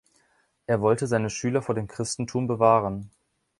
Er wollte seine Schüler vor dem Christentum bewahren.